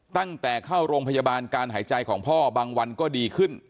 ตั้งแต่เข้าโรงพยาบาลการหายใจของพ่อบางวันก็ดีขึ้น